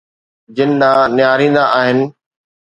جن ڏانهن نهاريندا آهن.